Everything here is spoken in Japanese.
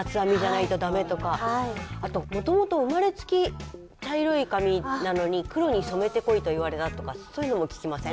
あともともと生まれつき茶色い髪なのに黒に染めてこいと言われたとかそういうのも聞きません？